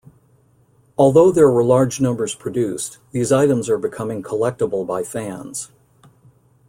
Although there were large numbers produced, these items are becoming collectable by fans.